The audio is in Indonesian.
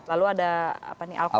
lalu ada apa nih alkoho